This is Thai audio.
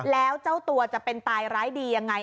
แล้วเจ้าตัวจะเป็นตายร้ายดียังไง